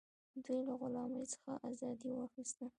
دوی له غلامۍ څخه ازادي واخیسته.